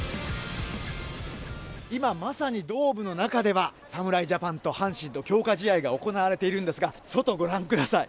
今まさにドームの中では、侍ジャパンと阪神の強化試合が行われているんですが、外、ご覧ください。